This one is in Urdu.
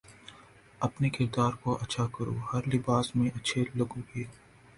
اپنے کردار کو اچھا کرو ہر لباس میں اچھے لگو گے